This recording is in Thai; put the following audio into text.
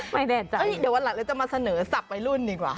ไม่แน่ใจเดี๋ยววันหลังเราจะมาเสนอศัพท์วัยรุ่นดีกว่า